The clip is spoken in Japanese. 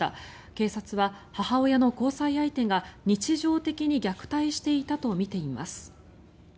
警察は母親の交際相手が日常的に虐待していたとみています。